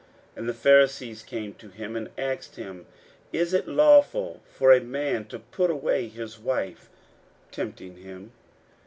41:010:002 And the Pharisees came to him, and asked him, Is it lawful for a man to put away his wife? tempting him.